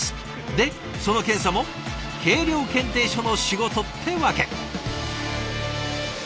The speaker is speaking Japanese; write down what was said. でその検査も計量検定所の仕事ってわけ。